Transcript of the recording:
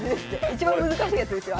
一番難しいやつですよ